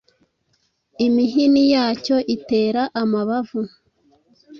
imihini yacyo itera amabavu.